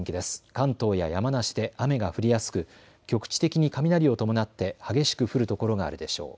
関東や山梨で雨が降りやすく局地的に雷を伴って激しく降るところがあるでしょう。